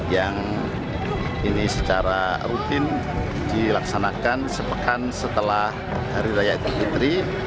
yang ini secara rutin dilaksanakan sepekan setelah hari raya idul fitri